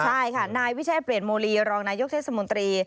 ใช่ค่ะนายวิชัยเปลี่ยนโมลีรองนายกเทศมนตรี